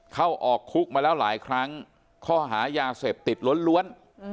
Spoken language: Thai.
เข้าออกคุกมาแล้วหลายครั้งข้อหายาเสพติดล้วน